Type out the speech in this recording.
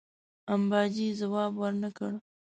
امباجي جواب ورنه کړ.